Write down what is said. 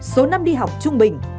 số năm đi học trung bình